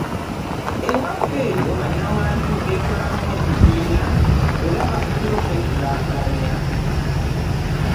Ewaffe eyo ba namwandu beekolamu ebibiina era bafubye okwekulaakulanya.